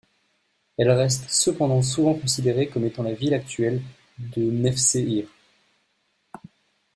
Elle reste cependant souvent considérée comme étant la ville actuelle de Nevşehir.